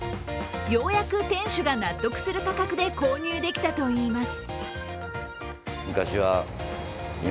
ようやく店主が納得する価格で購入できたといいます。